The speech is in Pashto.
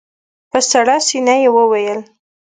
په سړه سينه يې وويل.